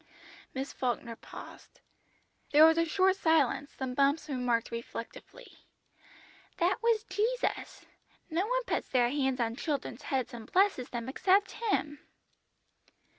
Miss Falkner paused. There was a short silence, then Bumps remarked reflectively "That was Jesus; no one puts their hands on children's heads and blesses them except Him!"